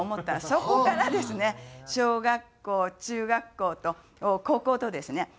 そこからですね小学校中学校と高校とですね